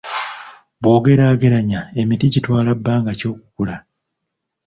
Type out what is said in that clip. Bw'ogeraageranya emiti gitwala bbanga ki okukula?